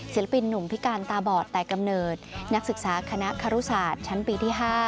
ศิลปินหนุ่มพิการตาบอดแต่กำเนิดนักศึกษาคณะคารุศาสตร์ชั้นปีที่๕